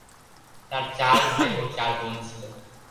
তার চার ভাই ও চার বোন ছিল।